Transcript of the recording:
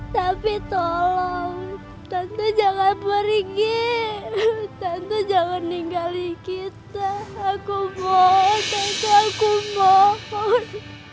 tapi tolong tante jangan pergi tante jangan ninggalin kita aku bohong aku bohong